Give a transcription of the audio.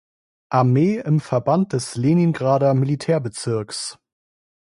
Armee im Verband des Leningrader Militärbezirks.